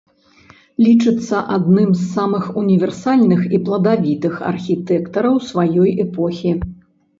Лічыцца адным з самых універсальных і пладавітых архітэктараў сваёй эпохі.